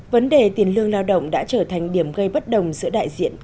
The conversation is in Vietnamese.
vấn đề tiền lương lao động đã trở thành điểm gây bất đồng giữa đại diện